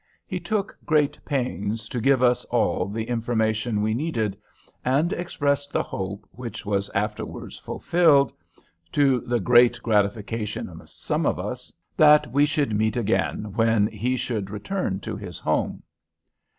He took great pains to give us all the information we needed, and expressed the hope, which was afterwards fulfilled, to the great gratification of some of us, that we should meet again when he should return to his home.